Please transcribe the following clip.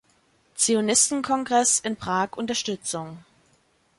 Zionistenkongress in Prag Unterstützung.